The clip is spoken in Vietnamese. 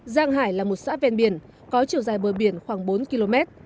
giang hải là một xã ven biển có chiều dài bờ biển khoảng bốn km